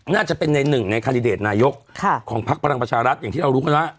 น่าจะเป็นในหนึ่งในคาดิเดตนายกของพักพลังประชารัฐอย่างที่เรารู้กันว่า